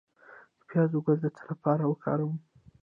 د پیاز ګل د څه لپاره وکاروم؟